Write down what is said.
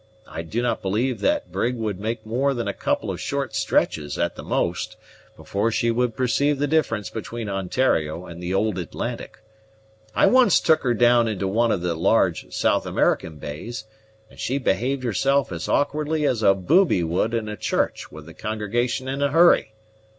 I do not believe that brig would make more than a couple of short stretches, at the most, before she would perceive the difference between Ontario and the old Atlantic. I once took her down into one of the large South American bays, and she behaved herself as awkwardly as a booby would in a church with the congregation in a hurry.